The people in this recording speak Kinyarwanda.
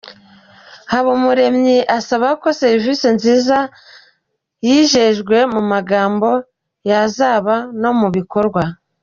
Habumuremyi asaba ko serivisi nziza yijejwe mu magambo yazaba no mu bikorwa.